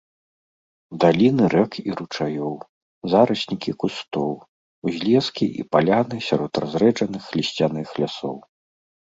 Даліны рэк і ручаёў, зараснікі кустоў, узлескі і паляны сярод разрэджаных лісцяных лясоў.